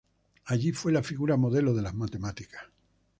Allí fue la figura modelo de las matemáticas.